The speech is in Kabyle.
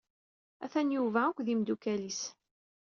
Atan Yuba akked imeddukal-is.